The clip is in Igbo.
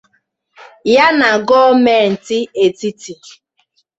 ya na gọọmenti etiti